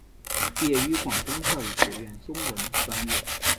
毕业于广东教育学院中文专业。